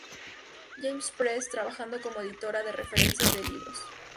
James Press, trabajando como editora de referencias de libros.